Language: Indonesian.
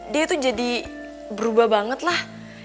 dia tuh jadi berubah banget lah